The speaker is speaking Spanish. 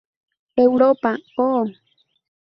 Europa i Oh!